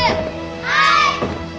はい！